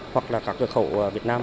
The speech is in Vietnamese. hoặc là các cửa khẩu việt nam